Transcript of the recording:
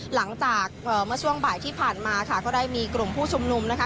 หลังจากเมื่อช่วงบ่ายที่ผ่านมาค่ะก็ได้มีกลุ่มผู้ชุมนุมนะคะ